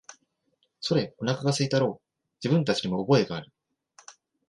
それ、おなかが空いたろう、自分たちにも覚えがある、